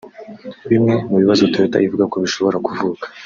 Bimwe mu bibazo Toyota ivuga ko bishobora kuvuka